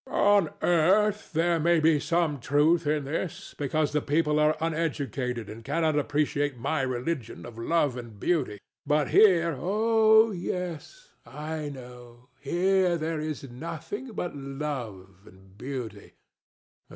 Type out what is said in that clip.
THE DEVIL. On earth there may be some truth in this, because the people are uneducated and cannot appreciate my religion of love and beauty; but here DON JUAN. Oh yes: I know. Here there is nothing but love and beauty.